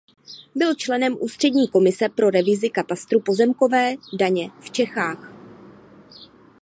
Byl členem ústřední komise pro revizi katastru pozemkové daně v Čechách.